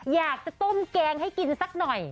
อยากจะต้มแกงให้กินสักหน่อย